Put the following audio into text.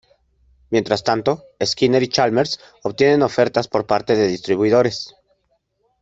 Mientras tanto, Skinner y Chalmers obtienen ofertas por parte de distribuidores.